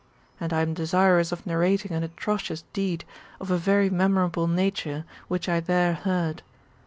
And I am desirous of nar rating an atrocious deed, of a very memorable nature, which I there heard.